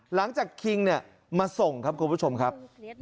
หลังจากคิงมาส่งครับคุณผู้ชมครับ